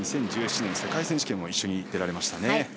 ２０１７年の世界選手権にも一緒に出られましたね。